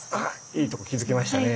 いいとこ気付きましたね。